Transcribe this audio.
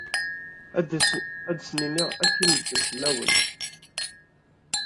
Ad asen-iniɣ akk i medden fell-awen.